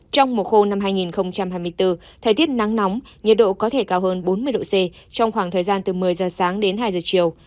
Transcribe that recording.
trong mùa khô năm hai nghìn hai mươi bốn thời tiết nắng nóng nhiệt độ có thể cao hơn bốn mươi độ c trong khoảng thời gian từ một mươi giờ sáng đến hai giờ chiều